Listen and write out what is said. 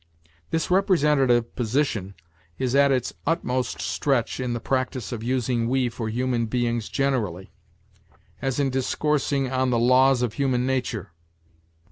"This representative position is at its utmost stretch in the practice of using 'we' for human beings generally; as in discoursing on the laws of human nature.